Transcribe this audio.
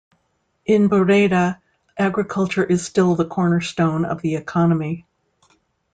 In Buraydah, agriculture is still the cornerstone of the economy.